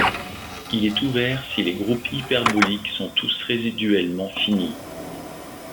Il est ouvert si les groupes hyperboliques sont tous résiduellement finis.